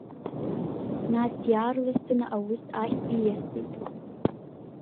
Нас иаарласӡаны аус ахь ииасит.